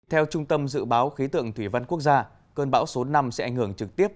theo trung tâm dự báo khí tượng thủy văn quốc gia cơn bão số năm sẽ ảnh hưởng trực tiếp